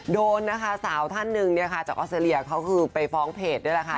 โดนนะคะสาวท่านหนึ่งเนี่ยค่ะจากออสเตรเลียเขาคือไปฟ้องเพจนี่แหละค่ะ